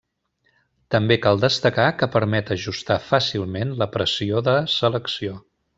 També cal destacar que permet ajustar fàcilment la pressió de selecció.